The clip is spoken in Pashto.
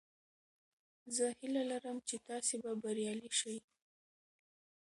زه هیله لرم چې تاسې به بریالي شئ.